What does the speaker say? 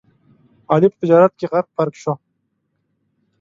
علي په تجارت کې غرق پرق شو.